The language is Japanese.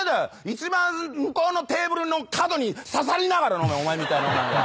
一番向こうのテーブルの角にささりながら飲めお前みたいなもんは。